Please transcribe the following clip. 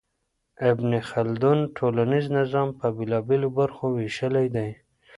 ابن خلدون ټولنيز نظام په بېلابېلو برخو وېشلی دی.